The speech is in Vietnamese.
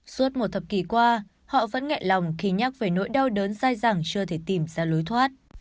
suốt một thập kỷ qua họ vẫn ngại lòng khi nhắc về nỗi đau đớn dai dẳng chưa thể tìm ra lối thoát